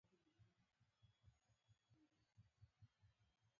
د لرګیو بخاري دودیزه بڼه لري.